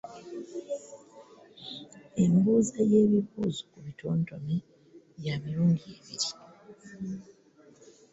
Embuuza y’ebibuuzo ku bitontome ya mirundi ebiri.